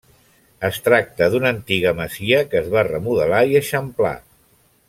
Es tracta d'una antiga masia que es va remodelar i eixamplar.